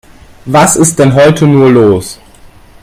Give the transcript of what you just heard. Was ist denn heute nur los?